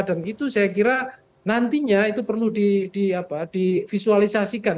dan itu saya kira nantinya itu perlu di visualisasikan